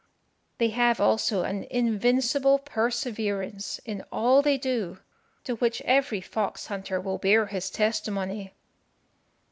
They have also an invincible perseverance in all they do, to which every fox hunter will bear his testimony.